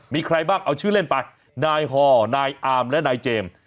มีใครบ้างเอาชื่อเล่นไปนายฮอนายอามและนายเจมส์